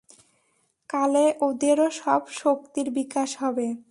কালে ওদেরও সব শক্তির বিকাশ হবে।